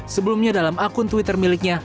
sebelumnya dalam akun twitter miliknya